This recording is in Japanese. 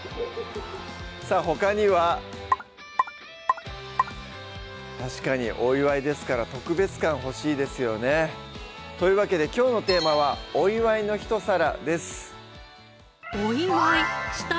さぁほかには確かにお祝いですから特別感欲しいですよねというわけできょうのテーマは「お祝いの一皿」です